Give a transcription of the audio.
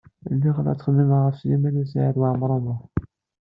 Lliɣ la ttxemmimeɣ ɣef Sliman U Saɛid Waɛmaṛ U Muḥ.